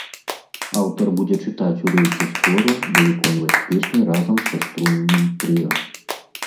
Аўтар будзе чытаць урыўкі з твору ды выконваць песні разам са струнным трыа.